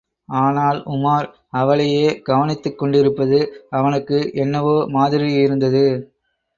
ஆனால் உமார் அவளையே கவனித்துக் கொண்டிருப்பது அவனுக்கு என்னவோ மாதிரியிருந்தது.